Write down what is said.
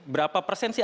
berapa persen sih